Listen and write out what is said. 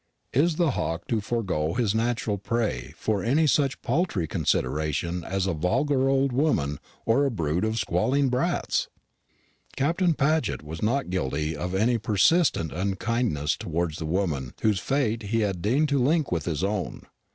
Is the hawk to forego his natural prey for any such paltry consideration as a vulgar old woman or a brood of squalling brats? Captain Paget was not guilty of any persistent unkindness towards the woman whose fate he had deigned to link with his own.